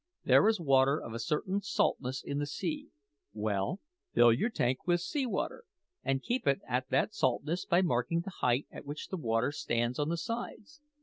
There is water of a certain saltness in the sea; well, fill your tank with sea water, and keep it at that saltness by marking the height at which the water stands on the sides.